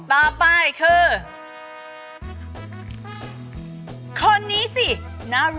ต่อไปคือคนนี้สิน่ารัก